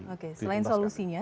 oke selain solusinya